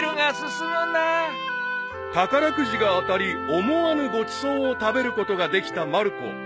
［宝くじが当たり思わぬごちそうを食べることができたまる子］